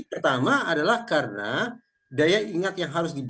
pertama adalah karena daya ingat yang harus diberikan